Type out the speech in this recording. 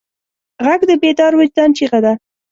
غږ د بیدار وجدان چیغه ده